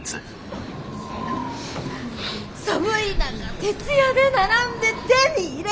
寒い中徹夜で並んで手に入れたのに！